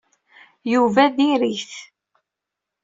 Yuba diri-t.